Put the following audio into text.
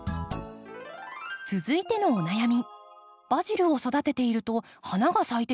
続いてのお悩み。